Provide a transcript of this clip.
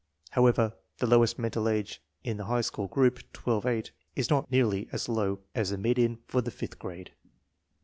However, the lowest mental age in the high school group (12 8) is not nearly as low as the median for the fifth grade.